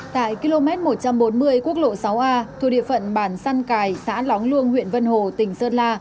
tại km một trăm bốn mươi quốc lộ sáu a thuộc địa phận bản săn cài xã lóng luông huyện vân hồ tỉnh sơn la